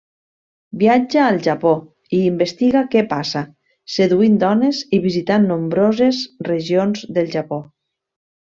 Viatja al Japó, i investiga què passa, seduint dones i visitant nombroses regions del Japó.